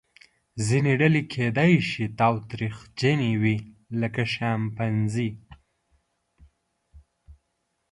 ځینې ډلې کیدای شي تاوتریخجنې وي لکه شامپانزې.